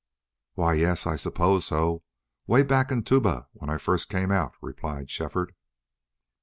"Why, yes, I suppose so 'way back in Tuba, when I first came out," replied Shefford.